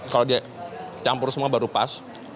kalau dia campur semua baru pas